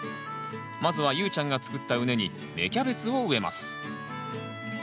まずは裕ちゃんがつくった畝に芽キャベツを植えます。